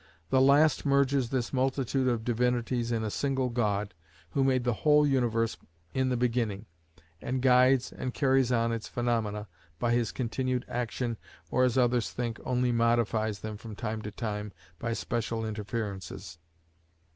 The last merges this multitude of divinities in a single God, who made the whole universe in the beginning, and guides and carries on its phaenomena by his continued action, or, as others think, only modifies them from time to time by special interferences.